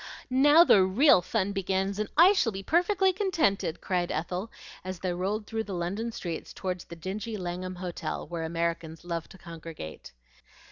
"Now the real fun begins, and I shall be perfectly contented," cried Ethel as they rolled through the London streets towards the dingy Langham Hotel, where Americans love to congregate.